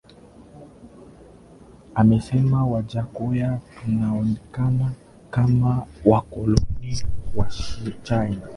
amesema Wajackoya Tunaonekana kama wakoloni wa China